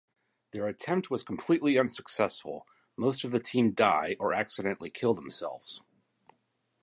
Their attempt was completely unsuccessful: most of the team die or accidentally kill themselves.